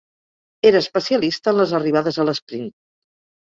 Era especialista en les arribades a l'esprint.